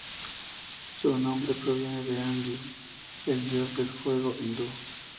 Su nombre proviene de "Agni", el Dios del fuego hindú.